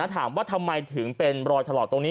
ถามว่าทำไมถึงเป็นรอยถลอกตรงนี้